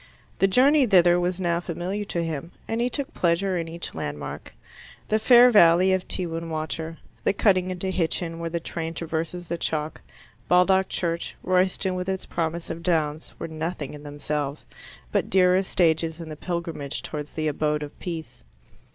The journey thither was now familiar to him, and he took pleasure in each landmark. The fair valley of Tewin Water, the cutting into Hitchin where the train traverses the chalk, Baldock Church, Royston with its promise of downs, were nothing in themselves, but dear as stages in the pilgrimage towards the abode of peace.